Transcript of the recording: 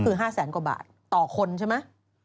ก็คือ๕๐๐๐๐๐กว่าบาทต่อคนใช่มั้ย